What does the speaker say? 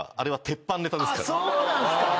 そうなんすか。